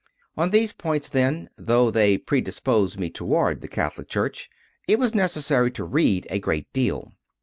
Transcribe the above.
On these points, then, though they predisposed me toward the Catholic Church, it was necessary to read a great deal.